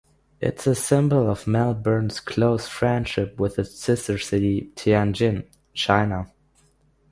It is a symbol of Melbourne's close friendship with its sister city, Tianjin, China.